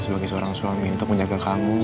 sebagai seorang suami untuk menjaga kamu